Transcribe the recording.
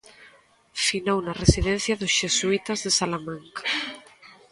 Finou na residencia dos Xesuítas de Salamanca.